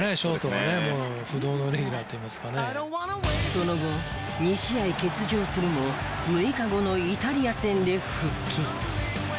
その後２試合欠場するも６日後のイタリア戦で復帰。